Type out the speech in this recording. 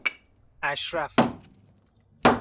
اَشرف